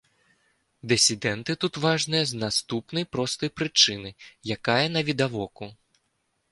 Дысідэнты тут важныя з наступнай простай прычыны, якая навідавоку.